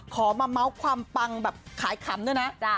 ขอมาเมาส์ความปังแบบขายขำด้วยนะ